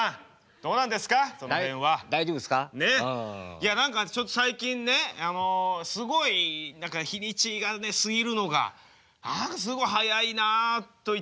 いや何かちょっと最近ねあのすごい何か日にちがね過ぎるのが何かすごい早いなと言っても過言ではない。